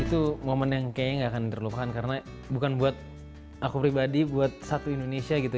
itu momen yang kayaknya gak akan terlupakan karena bukan buat aku pribadi buat satu indonesia gitu